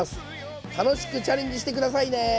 楽しくチャレンジして下さいね。